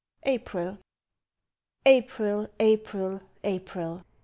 APRIL April! April! April!